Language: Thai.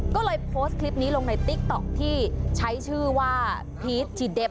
มือบับเหลือมือบับเหลือ